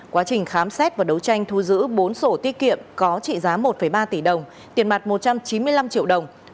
quá trình khám xét và đấu tranh thu giữ bốn sổ tiết kiệm có trị giá một ba tỷ đồng tiền mặt một trăm chín mươi năm triệu đồng